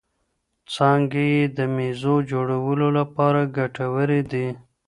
څانګې یې د مېزو جوړولو لپاره ګټورې دي.